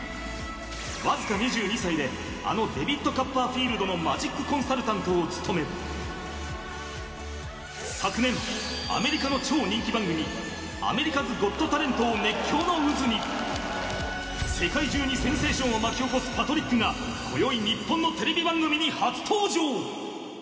わずか２２歳で、あのデビッド・カッパーフィールドのマジックコンサルタントを務め昨年はアメリカの超人気番組アメリカズ・ゴッド・タレントを熱狂の渦に世界中にセンセーションを巻き起こすパトリックが今宵、日本のテレビ番組に初登場。